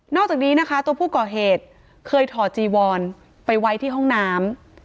อกจากนี้นะคะตัวผู้ก่อเหตุเคยถอดจีวอนไปไว้ที่ห้องน้ำ